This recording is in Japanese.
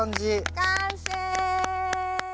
完成！